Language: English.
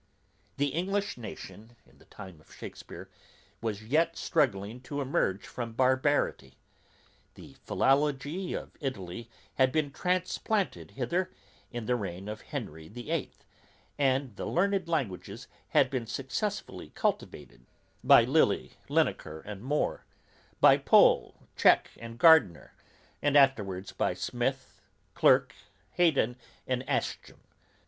The English nation, in the time of Shakespeare, was yet struggling to emerge from barbarity. The philology of Italy had been transplanted hither in the reign of Henry the Eighth; and the learned languages had been successfully cultivated by Lilly, Linacer, and More; by Pole, Cheke, and Gardiner; and afterwards by Smith, Clerk, Haddon, and Ascham.